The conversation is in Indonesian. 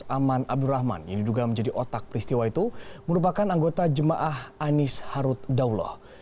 aman abdurrahman yang diduga menjadi otak peristiwa itu merupakan anggota jemaah anis haruddaullah